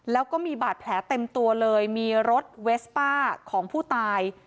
แล้วก็มีบาดแผลเต็มตัวเลยมีรถเวสป้าของผู้ตาย